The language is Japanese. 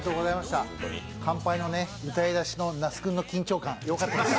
「乾杯」の歌い出しの那須君の緊張感、よかったです。